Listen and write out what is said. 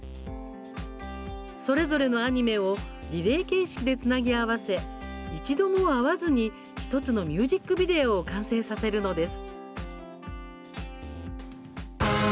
それぞれのアニメをリレー形式でつなぎ合わせ一度も会わずに１つのミュージックビデオを完成させるのです。